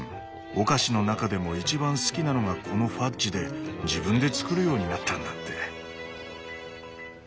お菓子の中でも一番好きなのがこのファッジで自分で作るようになったんだって。